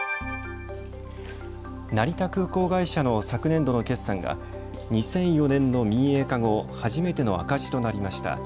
成田空港会社の昨年度の決算が２００４年の民営化後初めての赤字となりました。